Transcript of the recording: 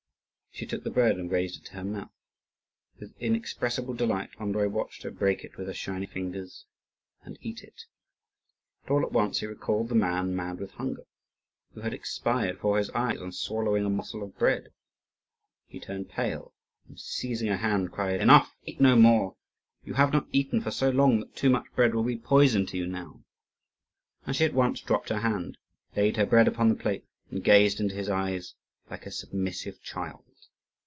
She took the bread and raised it to her mouth. With inexpressible delight Andrii watched her break it with her shining fingers and eat it; but all at once he recalled the man mad with hunger, who had expired before his eyes on swallowing a morsel of bread. He turned pale and, seizing her hand, cried, "Enough! eat no more! you have not eaten for so long that too much bread will be poison to you now." And she at once dropped her hand, laid her bread upon the plate, and gazed into his eyes like a submissive child.